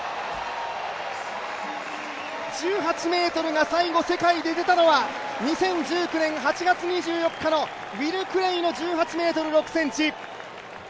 １８ｍが最後、世界で出たのは２０１９年８月２４日のウィル・クレイの１８ｍ６ｃｍ。